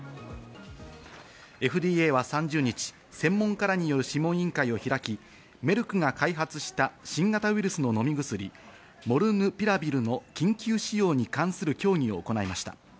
ＦＤＡは３０日、専門家らによる諮問委員会を開き、メルクが開発した新型ウイルスの飲み薬モルヌピラビルノの緊急使用に関する協議を行いました。